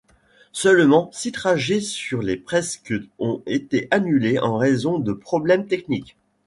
Seulement six trajets sur les presque ont été annulés en raison de problèmes techniques.